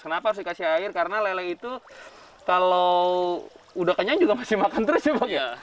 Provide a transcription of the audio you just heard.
kenapa harus dikasih air karena lele itu kalau udah kenyang juga masih makan terus ya bang ya